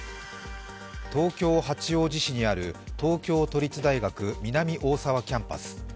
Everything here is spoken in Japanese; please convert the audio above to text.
東京・八王子市にある東京都立大学・南大沢キャンパス